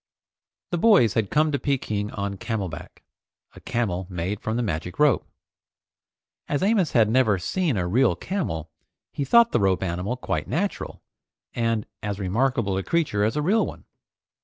The boys had come to Peking on camel back, a camel made from the magic rope. As Amos had never seen a real camel, he thought the rope animal quite natural, and as remarkable a creature as a real one.